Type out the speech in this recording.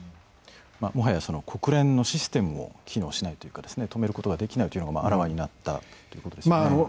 もはや国連のシステムも機能しないというかですね止めることができないというのがあらわになったということですね。